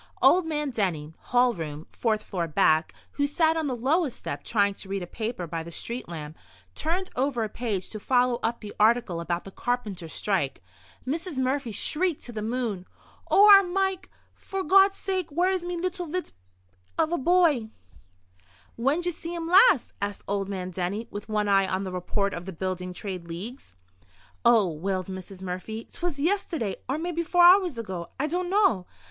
Old man Denny, hall room, fourth floor back, who sat on the lowest step, trying to read a paper by the street lamp, turned over a page to follow up the article about the carpenters' strike. Mrs. Murphy shrieked to the moon: "Oh, ar r Mike, f'r Gawd's sake, where is me little bit av a boy?" "When'd ye see him last?" asked old man Denny, with one eye on the report of the Building Trades League. "Oh," wailed Mrs. Murphy, "'twas yisterday, or maybe four hours ago! I dunno.